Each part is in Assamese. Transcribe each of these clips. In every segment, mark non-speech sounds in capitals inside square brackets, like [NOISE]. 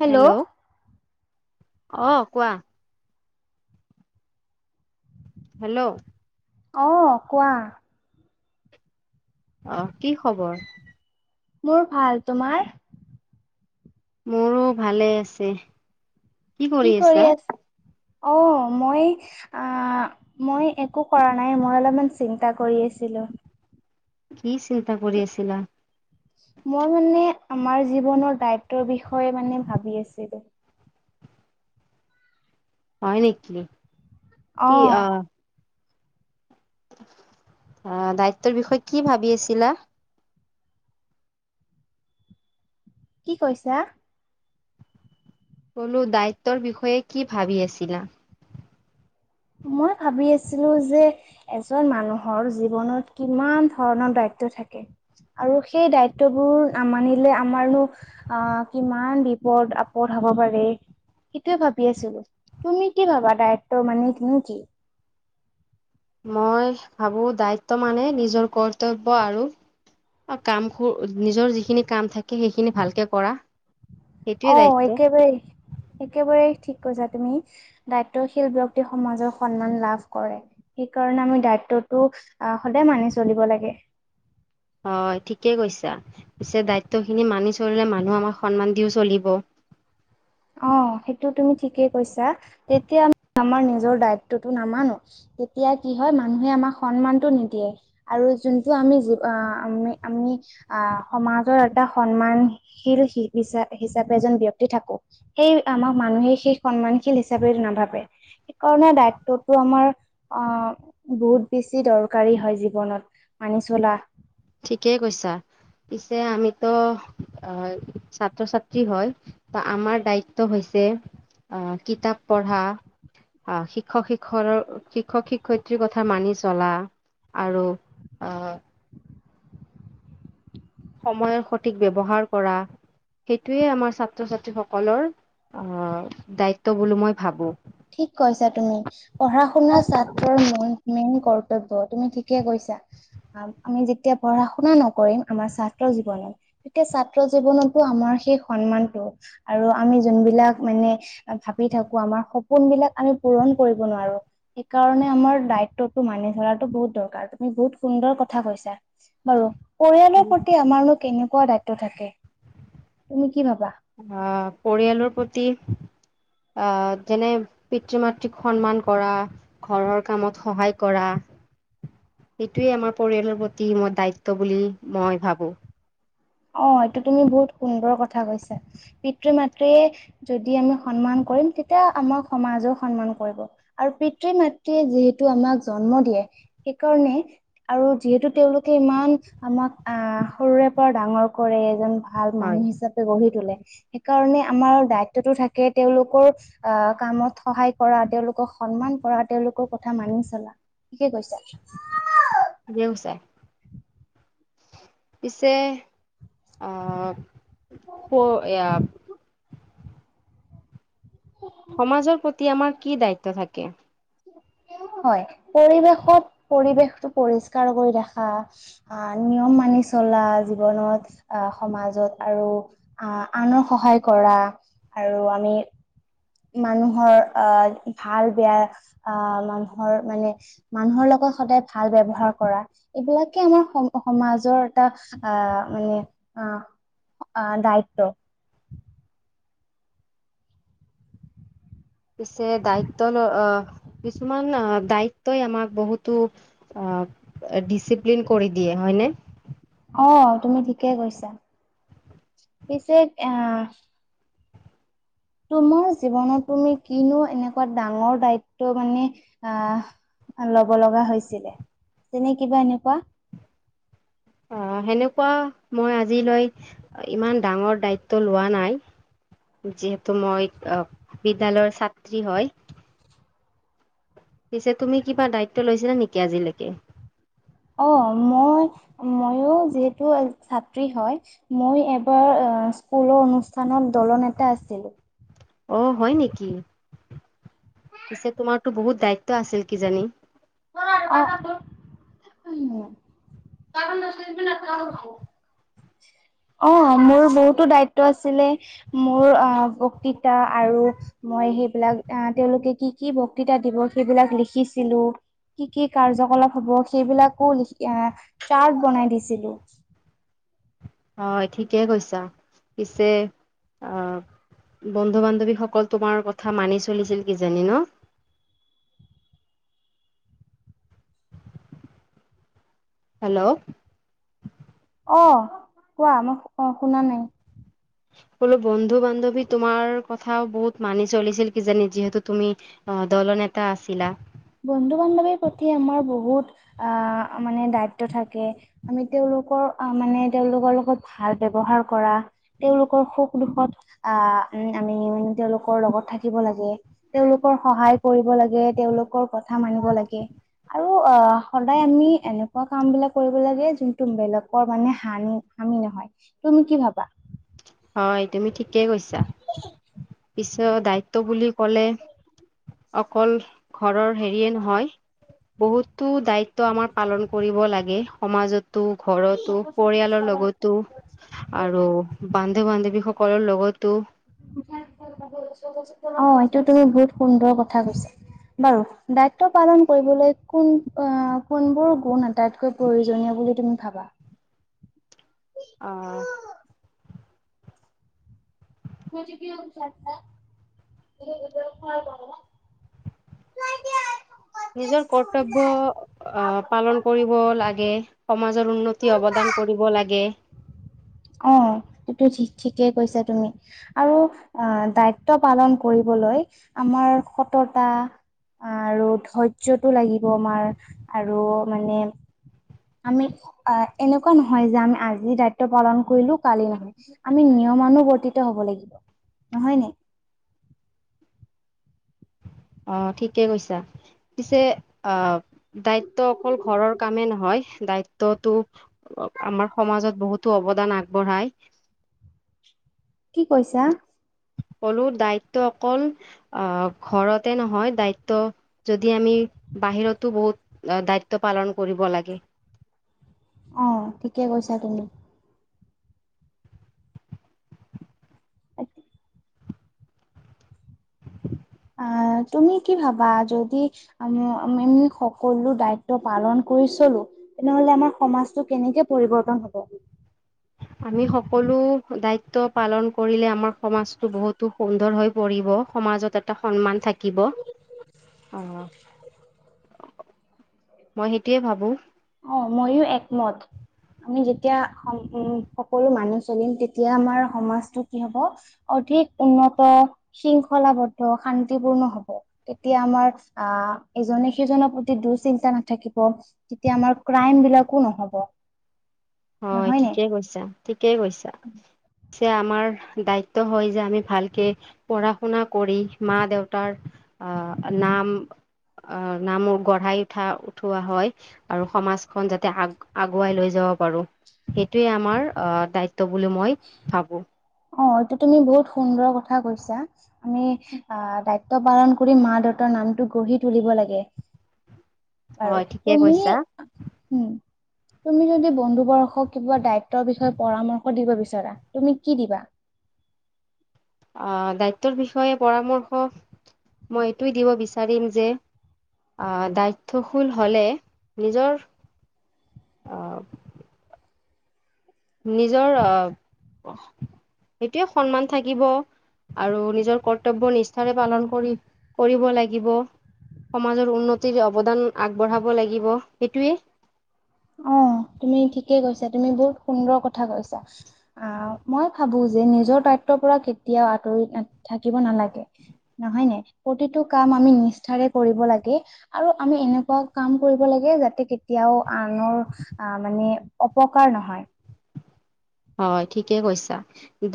হেল্ল' অ' কোৱা। হেল্ল' অ' কোৱা। আহ কি খবৰ। মোৰ ভাল তোমাৰ। মোৰো ভালে আছে, কি কি কৰি আছা? আছ অ' মই মই একো কৰা নাই, মই অলপমান চিন্তা কৰি আছিলো। কি চিন্তা কৰি আছিলা। মই মানে আমাৰ জীৱনৰ দায়িত্বৰ বিষয়ে মানে ভাবি আছিলো। হয় নেক অ কি আহ। আহ দায়িত্বৰ বিষয়ে কি ভাবি আছিলা। কি কৈছা। বোলো দ্বায়িত্বৰ বিষয়ে কি ভাবি আছিলা। মই ভাবি আছিলো যে এজন মানুহৰ জীৱনত কিমান ধৰণৰ দায়িত। দায়িত্ব থাকে। আৰু সেই দায়িত্ববোৰ নামানিলে আমাৰনো অ' কিমান বিপদ আপদ হ'ব। হ'ব পাৰে সেইটোয়ে ভাবি আছিলো। তুমি কি ভাবা দায়িত্ব মানে তুমি কি। মই ভাবো দায়িত্ব মানে নিজৰ কৰ্তব্য আৰু। কাম নিজৰ যিখিনি কাম থাকে সেইখিনি ভালকে কৰা। সেইটোয়ে অ' দায়িত্ব একেবাৰে একেবাৰে ঠিকে। থিক কৈছা তুমি, দায়িত্বশীল ব্যক্তি সমাজৰ সন্মান লাভ কৰে, সেইকাৰণে আমি দায়িত্ব। আহ সদায় মানি চলিব লাগে। হয় ঠিকেই কৈছা পিছে দায়িত্বখিনি মানি চলিলে মানুহ আমাক সন্মান দিওঁ চলিব। [UNINTELLIGIBLE] অ' সেইটো তুমি ঠিকেই কৈছা, তেতিয়া আমি আমাৰ নিজৰ দায়িত্বটো নামানো। তেতিয়া কি হয় মানুহে আমাক সন্মানতটো নিদিয়ে আৰু যোনটো আমি জি আমি-আমি আহ সমাজৰ এটা সন্মানশীল হিচ-হিচাপে এজন ব্যক্তি থাকো। সেই আমাক মানুহে সেই সন্মানশীল হিচাপে নাভাবে। সেইকাৰণে দ্বায়িত্বতটো আমাৰ আহ বহুত বেছি দৰকাৰী হয় জীৱনত। মানিচলা। ঠিকেই কৈছা। পিছে আমিতো অ ছাত্ৰ ছাত্ৰী হয় ত' আমাৰ দায়িত্ব হৈছে ছে অ' কিতাপ পঢ়া। অ' শিক্ষক শিক্ষ শিক্ষক শিক্ষয়িত্ৰীৰ কথা মানি চলা। আৰু অ' সময়ৰ সঠিক ব্যৱহাৰ কৰা। সেইটোৱে আমাৰ ছাত্ৰ ছাত্ৰী সকলৰ আহ দায়িত্ব বুলি মই ভাবো। ঠিক কৈছা তুমি পঢ়া শুনা ছাত্ৰৰ মূল মেইন কৰ্তব্য তুমি ঠিকে কৈছা, আমি যেতিয়া পঢ়া শুনা নকৰিম আমাৰ ছাত্ৰ জীৱনত। তেতিয়া ছাত্ৰ জীৱনতো আমাৰ সেই সন্মানটো আৰু আমি যোনবিলাক মানে। ভাবি থাকো আমাৰ সপোন সোপোনবিলাক আমি পূৰণ কৰিব নোৱাৰো, সেইকাৰণে আমাৰ দায়িত্বটো মানি চলাটো বহুত দৰকাৰ। বহুত সুন্দৰ কথা কৈছা বাৰু। পৰিয়ালৰ প্ৰতি আমাৰনো কেনেকুৱা দায়িত্ব থাকে। তুমি কি ভাবা? আহ পৰিয়ালৰ প্ৰতি আহ যেনে পিতৃ মাতৃক সন্মান কৰা ঘৰৰ কামত সহায় কৰা। [INAUDIBLE] সেইটোৱে আমাৰ পৰিয়ালৰ প্ৰতি মই দায়িত্ব বুলি মই ভাবো। অ', এইটো তুমি বহুত সুন্দৰ কথা কৈছা। পিতৃ মাতৃয়ে যদি আমি সন্মান কৰিম তেতিয়া আমাৰ সমাজৰ সন্মান কৰিব আৰু পিতৃ মাতৃয়ে যিহেতু আমাক জন্ম দিয়ে সেইকাৰণে আৰু যিহেতু তেওঁলোকে ইমান আমাক আহ সৰুৰে পৰা ডাঙৰ কৰে এজন ভাল মানুহ ঠিকে হিচাপে গঢ়ি তোলে। সেইকাৰণে আমাৰ দায়িত্বতো থাকে তেওঁলোকৰ আহ কামত সহায় কৰা। তেওঁলোকক সন্মান কৰা তেওঁলোকৰ কথা মানি চলা ঠিকে কৈছা। দেও চাই। পিছে আহ-প-এয়া সমাজৰ প্ৰতি আমাৰ কি দায়িত্ব থাকে? [INAUDIBLE] হয়, পৰিৱেশত পৰিৱেশটো পৰিষ্কাৰ কৰি ৰখা আহ নিয়ম মানি চলা জীৱনত আহ সমাজত আৰু আহ আনৰ সহায় কৰা। আৰু আমি মানুহৰ আহ ভাল বেয়া আহ মানুহৰ মানে মানুহৰ লগত সদায় ভাল ব্যৱহাৰ কৰা এইবিলাকে আমাৰ সম-সমাজৰ এটা আহ মানে আ-আ দায়িত্ব। পিছে দায়িত্ব অ-কিছুমান দায়িত্বই আমাক বহুতো অ' ডিচিপ্লিন কৰি দিয়ে হয় নে? অ', তুমি ঠিকেই কৈছা। পিছে আহ তোমাৰ জীৱনত তুমি কিনো এনেকুৱা ডাঙৰ দায়িত্ব মানে আহ ল'ব লগা হৈছিলে আছে নে কিবা এনেকুৱা? অ', সেনেকুৱা মই আজিলৈ ইমান ডাঙৰ দায়িত্ব লোৱা নাই। যিহেতু মই বিদ্যালয়ৰ ছাত্ৰী হয়। পিছে তুমি কিবা দায়িত্ব লৈছিলা নেকি আজিলৈকে? অ', মই ময়ো যিহেতু ছাত্ৰী হয় মই এবাৰ স্কুলৰ অনুষ্ঠানত দল নেতা আছিলো। আহ হয় নেকি? পিছে তোমাৰতো বহুত দায়িত্ব আছিল কিজানি? [UNINTELLIGIBLE] [UNINTELLIGIBLE] অ মোৰ বহুতো দায়িত্ব আছিলে। মোৰ অ বক্ততা আৰু সেইবিলাক আহ তেওঁলোকে কি কি বক্তৃতা দিব সেইবিলাক লিখিছিলো। কি কি কাৰ্যকলাপ হব সেইবিলাকো লিখি চাৰ্ট বনাই দিছিলো। হয় ঠিকে কৈছা। পিছে অহ বন্ধু-বান্ধৱীসকল তোমাৰ কথা মানি চলিছিল কিজানি ন? [INAUDIBLE] হেল্ল'। অ', কোৱা মই অ শুনা নাই। বোলো বন্ধু বান্ধৱী তোমাৰ কথাও বহুত মানি চলিছিল কিজানি যিহেতু তুমি অ' দল নেতা আছিলা। বন্ধু বান্ধৱীৰ প্ৰতি আমাৰ বহুত আহ মানে দায়িত্ব থাকে আমি তেওঁলোক মানে লগত ভাল ব্যৱহাৰ কৰা তেওঁলোকৰ সুখ দুখত আ উম আমি তেওঁলোকৰ লগত থাকিব লাগে। তেওঁলোকৰ সহায় কৰিব লাগে তেওঁলোকক কথা মানিব লাগে। আৰু অ সদায় আমি এনেকুৱা কাম বিলাক কৰিব লাগে, যোনটো বেলেগৰ মানে হানি হামি নহয়। তুমি কি ভাবা? হয় তুমি ঠিকেই কৈছা। পিছত দায়িত্ব বুলি অকলে অকল ঘৰৰ হেৰিয়ে নহয় বহুতো দায়িত্ব আমাৰ পালন কৰিব লাগে। সমাজত টো, ঘৰতো, পৰিয়ালৰ লগতো আৰু বান্ধু বান্ধৱীসকলৰ লগতো অ এইটো তুমি বহুত সুন্দৰ কথা কৈছা। বাৰু, দায়িত্ব পালন কৰিবলৈ কোন আহ কোনবোৰ গুণ আটাইতকৈ প্ৰয়োজনীয় বুলি তুমি ভাবা? অ [UNINTELLIGIBLE] [UNINTELLIGIBLE] নিজৰ কৰ্তব্য আহ পালন কৰিব লাগে। সমাজৰ উন্নতি অৱদান কৰিব লাগে। অ এইটো ঠিক ঠিকেই কৈছা তুমি। আৰু আহ দায়িত্ব পালন কৰিবলৈ আমাৰ সততা আৰু ধৈৰ্যটো লাগিব আমাৰ আৰু মানে আমি অ এনেকুৱা নহয় যে আমি আজি দায়িত্ব পালন কৰিলো কালি নহয়। আমি নিয়মানুবৰ্তিত হব লাগিব। নহয় ন? অ ঠিকে কৈছা। পিছে আহ দায়িত্ব অকল ঘৰৰ কামেই নহয়। দায়িত্বতটো আমাৰ সমাজত বহুতো অৱদান আগবঢ়ায় কি কৈছা? ক'লো দায়িত্ব অকল আহ ঘৰতে নহয়, দায়িত্ব যদি আমি বাহিৰতো বহুত দায়িত্ব পালন কৰিব লাগে। অঁ ঠিকে কৈছা তুমি। অ তুমি কি ভাবা? যদি আ-আমি সকলো দায়িত্ব পালন কৰি চলো। তেনেহলে আমাৰ সমাজটো কেনেকে পৰিৱৰ্তন হব? আমি সকলো দ্বায়িত্ব পালন কৰিলে আমাৰ সমাজটো বহুতো সুন্দৰ হৈ পৰি সমাজত এটা সন্মান থাকিব। অ [UNINTELLIGIBLE] মই সেইটোয়ে ভাবো। অ ময়ো একমত। আমি যেতিয়া উ সকলো মা চলিম, তেতিয়া আমাৰ সমাজটো কি হ'ব, অধিক উন্নত শৃংখলাবদ্ধ শান্তিপূৰ্ণ হব, তেতিয়া আমাৰ আ, ইজনে সিজনৰ প্ৰতি দুঃচিন্তা নাথাকিব। এতিয়া আমাৰ ক্ৰাইম বিলাকো নহ'ব হয়, নহয়নে? ঠিকেই কৈছা ঠিকেই কৈছা। প্ছে আমাৰ দায়িত্ব হয় যে আমি ভালকে পঢ়া শুনা কৰি মা দেউতাৰ আ, নাম আহ নাম গঢ়াই উঠা-উঠোৱা হয় আৰু সমাজখন যাতে আগ আগুৱাই লৈ যাব পাৰো। সেইটোৱে আমাৰ আহ দায়িত্ব বুলি মই ভাবো। অ এইটো তুমি বহুত সুন্দৰ কথা কৈছা। আমি দায়িত্ব পালন কৰি মা দেত নামটো গঢ়ি তুলিব লাগে। বাৰু, হয় ঠিকে তুমি কৈছা উম তুমি যদি বন্ধু ব কিবা দায়িত্বৰ বিষয়ে পৰামৰ্শ দিব বিচৰা তুমি কি দিবা? আ, দায়িত্বৰ বিষয়ে পৰামৰ্শ মই এইটোয়ে দিব বিচাৰিম যে আ, দায়িত্বশীল হলে নিজৰ আ, নিজৰ আ, সেইটোৱে সন্মান থাকিব আৰু নিজৰ কৰ্তব্য নিষ্ঠাৰে পালন কৰি কৰিব লাগিব সমাজৰ উন্নতিৰ অৱদান আগবঢ়াব লাগিব সেইটোৱে অ', তুমি ঠিকেই কৈছা তুমি বহুত সুন্দৰ কথা কৈছা আ, মই ভাবো যে নিজৰ দায়িত্ব পৰা কেতিয়াও আতৰি থাকিব নালাগে নহৈ নে, প্ৰতিটো কাম আমি নিষ্ঠাৰে কৰিব লাগে আৰু আমি এনেকুৱা কাম কৰিব লাগে যাতে কেতিয়াও আনৰ মানে অপকাৰ নহয়। হয়, ঠিকে কৈছা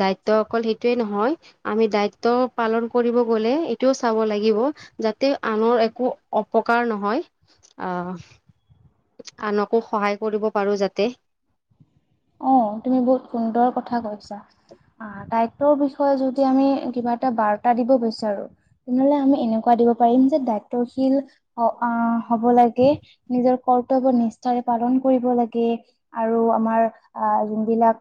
দায়িত্ব অকল সেইটোয়ে নহয় আমি দায়িত্ব পালন কৰিম গলে এটোও চাব লাগিব যাতে আনৰ একো অপকাৰ নহয়। আ, আনকো সহায় কৰিব পাৰো যাতে। অ', তুমি বহুত সুন্দৰ কথা কৈছা আ, দা বিষয়ে যদি আমি কিবা এটা বাৰ্তা দিব বিচাৰো তেনেহলে আমি এনেকুৱা দিব পাৰিম যে ত' শীল অ', আ, হব লাগে নিজৰ কৰ্তব্য নিষ্ঠাৰে পালন কৰিব লাগে আৰু আমাৰ আ, যোনবিলাক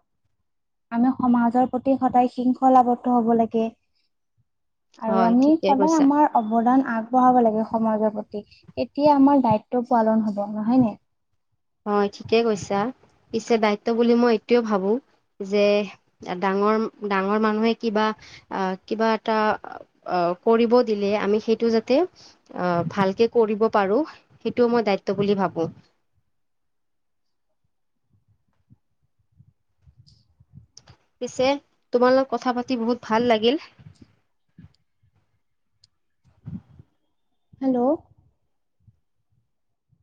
আমি সমাজৰ প্ৰতি সদায় সিংসলাৱদ্ধ হব লাগে আৰু হয় আমি ঠিকে সদায় কৈছা আমাৰ অৱদান আগবঢ়াব লাগে সমাজৰ প্ৰতি তেতিয়া আমাৰ দায়িত্ব পালন হব নহয় নে? হয়, ঠিকেই কৈছা পিছে দায়িত্ব বুলি মই এইটোয়ে ভাবো যে ডাঙৰ ডাঙৰ মানুহে কিবা আ, কিবা এটা কৰিব দিলে আমি সেইটো যাতে আ, ভালকে কৰিব পাৰোঁ, সেইটো মই দায়িত্ব বুলি ভাবোঁ। [INAUDIBLE] পিছে তোমালোক কথা পাতি বহুত ভাল লাগিল। হেল্ল'